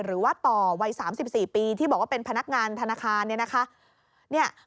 หรือว่าต่อวัย๓๔ปีที่บอกว่าเป็นพนักงานธนาคารเนี่ยนะคะ